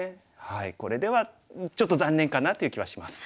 これではちょっと残念かなという気はします。